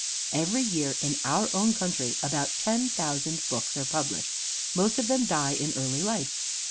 Every year in our own country about ten thousand books are published. Most of them die in early life.